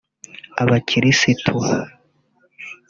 Abakirisitu